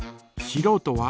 しろうとは？